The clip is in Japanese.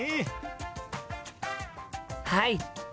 はい！